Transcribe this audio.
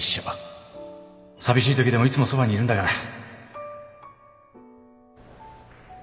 寂しいときでもいつもそばにいるんだから